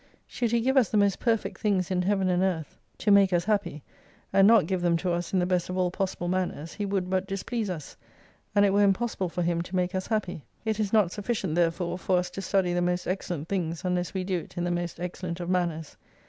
Should He ^ive us the most perfect things in Heaven and Earth to make us happy, and not give them to us in the best of all possible manners, He would but displease us ; and it were impossible for Him to make us happy. It is not sufficient therefore for us to study the most excel lent things unless we do it in the most excellent of manners.